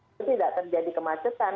itu tidak terjadi kemacetan